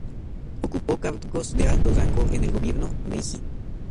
Ocupó cargos de alto rango en el gobierno Meiji.